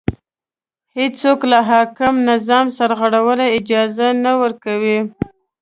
هېڅوک له حاکم نظام سرغړولو اجازه نه ورکړي